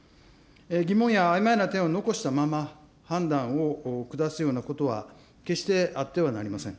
疑問やあいまいな点を残したまま判断を下すようなことは決してあってはなりません。